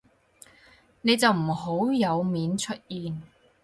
你就唔好有面出現